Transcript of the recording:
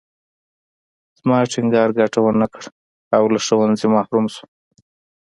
زما ټینګار ګټه ونه کړه او له ښوونځي محرومه شوم